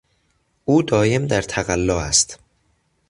او دایم در تقلا است.